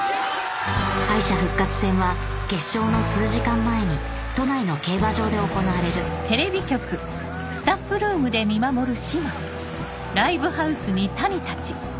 敗者復活戦は決勝の数時間前に都内の競馬場で行われるやってまいりました。